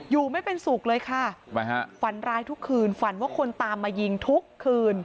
ไม่เป็นสุขเลยค่ะทำไมฮะฝันร้ายทุกคืนฝันว่าคนตามมายิงทุกคืน